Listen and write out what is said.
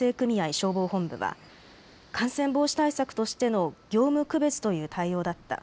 消防本部は感染防止対策としての業務区別という対応だった。